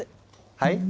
はい？